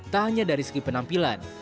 tak hanya dari segi penampilan